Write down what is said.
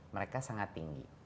mereka sangat tinggi